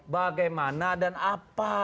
bagaimana dan apa